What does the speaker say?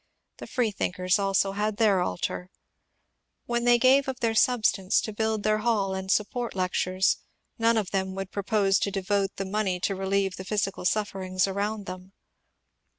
The freethinkers also had their altar. When they gave of their substance to build their haU and support lectures, none of them woidd propose to devote the money to relieve the physical sufferings around them.